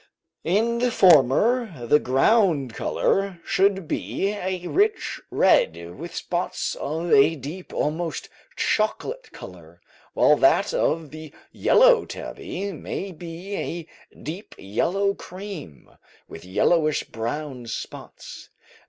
In the former the ground colour should be a rich red, with spots of a deep, almost chocolate colour, while that of the yellow tabby may be a deep yellow cream, with yellowish brown spots.